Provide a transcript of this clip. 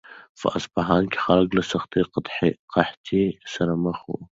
په اصفهان کې خلک له سختې قحطۍ سره مخ وو.